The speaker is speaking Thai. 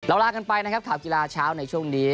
ลากันไปนะครับข่าวกีฬาเช้าในช่วงนี้